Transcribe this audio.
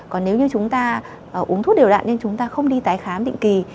còn nếu như chúng ta uống thuốc đều đạn nhưng chúng ta không đi tái khám định kỳ